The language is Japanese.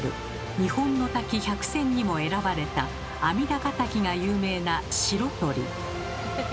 「日本の滝１００選」にも選ばれた阿弥陀ヶ滝が有名な白鳥。